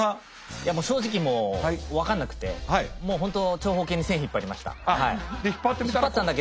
いやもう正直もう分かんなくてもう本当長方形に線引っ張りました。